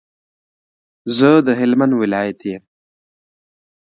زه د هلمند ولایت یم.